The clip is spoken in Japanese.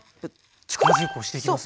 力強く押していきますね。